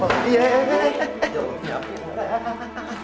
ya allah ya allah